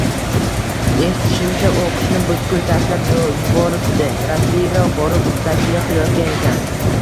Eshitishimcha, oʻqishni butkul tashlab yuboribdi, Rossiyaga borib ustachilik qilayotgan ekan.